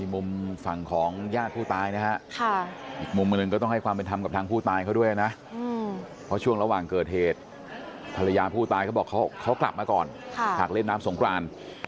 มุมฝั่งของญาติผู้ตายนะฮะอีกมุมหนึ่งก็ต้องให้ความเป็นธรรมกับทางผู้ตายเขาด้วยนะเพราะช่วงระหว่างเกิดเหตุภรรยาผู้ตายเขาบอกเขากลับมาก่อนหากเล่นน้ำสงคราน